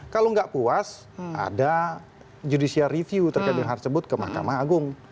kalau nggak puas ada judicial review terkait dengan hal tersebut ke mahkamah agung